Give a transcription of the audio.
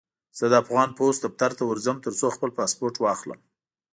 زه د افغان پوسټ دفتر ته ورځم، ترڅو خپل پاسپورټ واخلم.